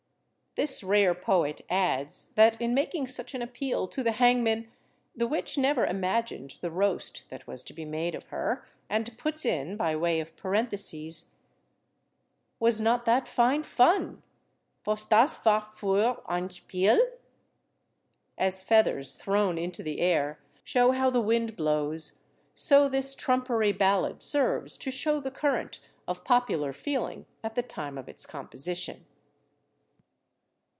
This rare poet adds, that in making such an appeal to the hangman, the witch never imagined the roast that was to be made of her, and puts in, by way of parenthesis, "was not that fine fun! was das war für ein Spiel!" As feathers thrown into the air shew how the wind blows, so this trumpery ballad serves to shew the current of popular feeling at the time of its composition.